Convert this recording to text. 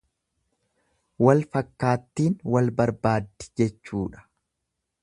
Wal fakkaattiin wal barbaaddi jechuudha.